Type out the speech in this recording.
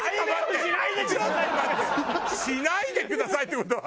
「しないでください！」って事は。